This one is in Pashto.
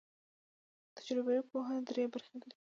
تجربوي پوهه درې برخې لري.